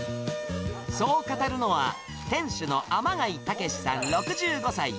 そう語るのは、店主の雨貝武さん６５歳。